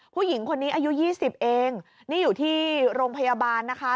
ผู้หญิงคนนี้อายุ๒๐เองนี่อยู่ที่โรงพยาบาลนะคะ